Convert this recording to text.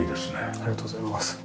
ありがとうございます。